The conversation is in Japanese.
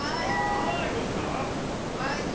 はいコッシーさん。